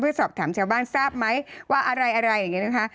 เพื่อสอบถามชาวบ้านทราบไหมว่าอะไรอะไรอย่างนี้นะคะ